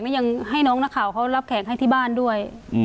เพราะจะให้น้องหน้าเขาเขารับแข็งให้ที่บ้านด้วย